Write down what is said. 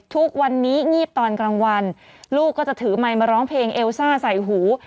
ทุกวันนี้งีบตอนกลางวันลูกก็จะถือไมค์มาร้องเพลงเอลซ่าใส่หู